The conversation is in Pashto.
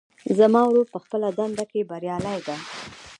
زما ورور په خپله دنده کې بریالۍ ده